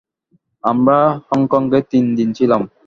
আমরা হংকঙে তিন দিন ছিলাম।